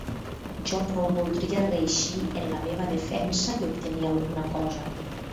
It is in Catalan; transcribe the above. Jo prou voldria reeixir en la meva defensa i obtenir alguna cosa.